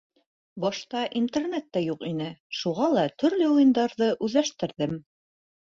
Башта Интернет та юҡ ине, шуға ла төрлө уйындарҙы үҙләштерҙем.